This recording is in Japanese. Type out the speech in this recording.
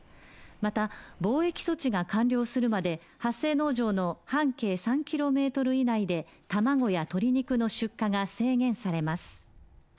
また、防疫措置が完了するまで発生農場の半径３ｋｍ以内で卵や鶏肉の出荷が制限されます。